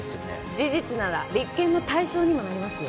事実なら立件の対象にもなりますよ